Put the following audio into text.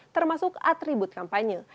termasuk atribut kampanye